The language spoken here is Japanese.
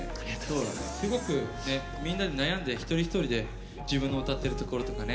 すごくみんなで悩んで一人一人で自分の歌ってるところとかね。